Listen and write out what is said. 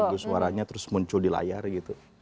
lalu suaranya terus muncul di layar gitu